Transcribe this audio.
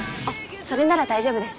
それなら大丈夫です。